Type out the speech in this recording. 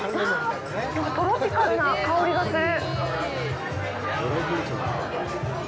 なんか、トロピカルな香りがする。